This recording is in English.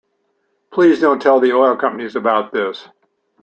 Please don't tell the oil companies about this.